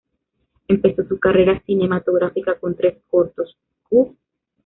Empezó su carrera cinematográfica con tres cortos: "Who?